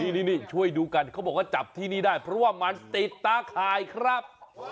นี่ช่วยดูกันเขาบอกว่าจับที่นี่ได้เพราะว่ามันติดตาข่ายครับ